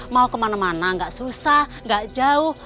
mau kemana mana gak susah gak jauh